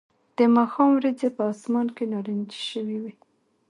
د ماښام وریځې په آسمان کې نارنجي شوې وې